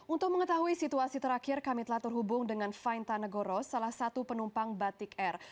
untuk mengetahui situasi terakhir kami telah terhubung dengan fainta negoro salah satu penumpang batik air